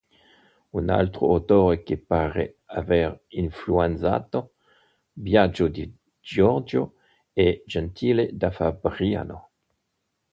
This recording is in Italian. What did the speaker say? Un altro autore che pare aver influenzato Biagio di Giorgio è Gentile da Fabriano.